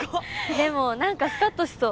でもなんかスカッとしそう。